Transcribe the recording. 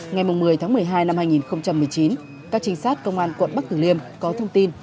ngày một mươi tháng một mươi hai năm hai nghìn một mươi chín các trinh sát công an quận bắc tử liêm có thông tin